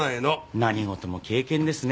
何事も経験ですね。